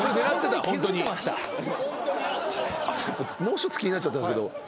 もう一つ気になっちゃったんですけど